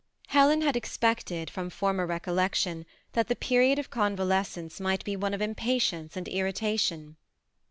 Helen had expected, from former recollections, that the period of convalescence might be one of impatience and irritation.